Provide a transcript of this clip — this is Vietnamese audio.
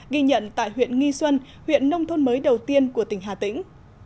ghi nhận tại huyện nghi xuân huyện nông thôn mới đầu tiên của tỉnh hà tĩnh